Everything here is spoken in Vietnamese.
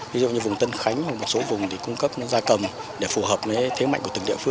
ví dụ như vùng tân khánh một số vùng thì cung cấp gia cầm để phù hợp với thế mạnh